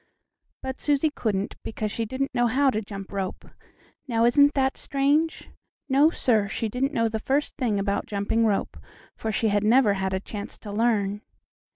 But Susie couldn't, because she didn't know how to jump rope. Now isn't that strange? No, sir, she didn't know the first thing about jumping rope, for she had never had a chance to learn.